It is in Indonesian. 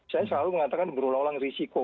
saya selalu mengatakan berulang ulang risiko